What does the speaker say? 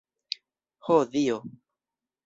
Ho dio!